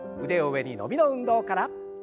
腕を上に伸びの運動から。